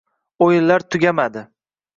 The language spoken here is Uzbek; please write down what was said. O'yinlar tugamadi